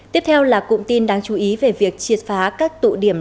tiếp theo là cụm tin đáng chú ý về việc triệt phá các tụ điểm